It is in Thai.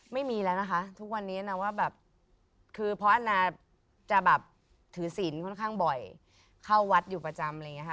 ไม่มีแล้วนะคะทุกวันนี้นางว่าแบบคือเพราะอันนาจะแบบถือศิลป์ค่อนข้างบ่อยเข้าวัดอยู่ประจำอะไรอย่างนี้ค่ะ